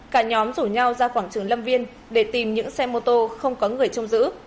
cả nhóm rủ nhau ra quảng trường lâm viên để tìm những xe mô tô không có người trông giữ